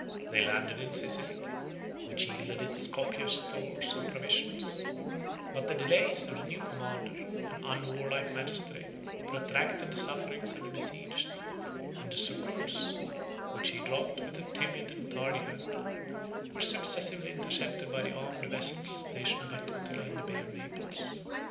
They landed in Sicily, which yielded its copious stores of provisions; but the delays of the new commander, an unwarlike magistrate, protracted the sufferings of the besieged; and the succors, which he dropped with a timid and tardy hand, were successively intercepted by the armed vessels stationed by Totila in the Bay of Naples.